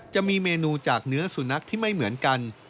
จะมีเมนูจากเนื้อสุนัขที่ไม่เหมือนกัน